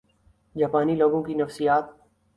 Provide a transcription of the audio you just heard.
جاپانی لوگوں کی نفسیات